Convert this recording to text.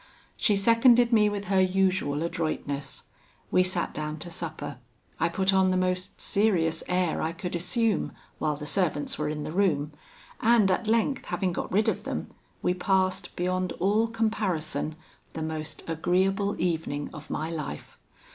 She seconded me with her usual adroitness. We sat down to supper. I put on the most serious air I could assume, while the servants were in the room, and at length having got rid of them, we passed, beyond all comparison, the most agreeable evening of my life.